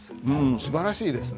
すばらしいですね。